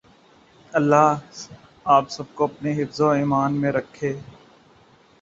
اللہ آپ سب کو اپنے حفظ و ایمان میں رکھے۔